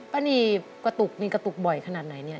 ป้านีกระตุกมีกระตุกบ่อยขนาดไหนเนี่ย